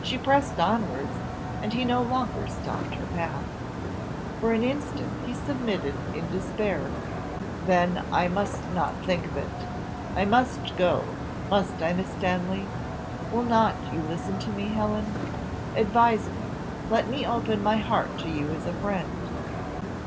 She pressed onwards, and he no longer stopped her path. For an instant he submitted in despair. "Then I must not think of it. I must go must I, Miss Stanley? Will not you listen to me, Helen? Advise me; let me open my heart to you as a friend."